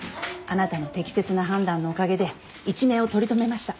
あなたの適切な判断のおかげで一命を取り留めました。